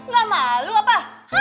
gak malu apa